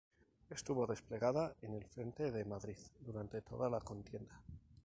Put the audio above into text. Estuvo desplegada en el frente de Madrid durante toda la contienda.